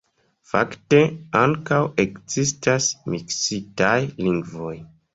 Fakte ankaŭ ekzistas miksitaj lingvoj.